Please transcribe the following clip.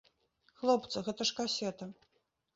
Хлопцы, гэта ж касета.